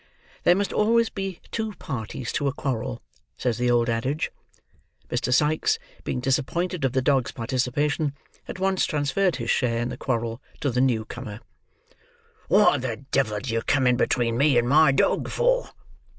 There must always be two parties to a quarrel, says the old adage. Mr. Sikes, being disappointed of the dog's participation, at once transferred his share in the quarrel to the new comer. "What the devil do you come in between me and my dog for?"